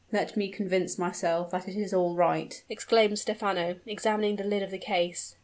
"Let me convince myself that it is all right!" exclaimed Stephano, examining the lid of the case.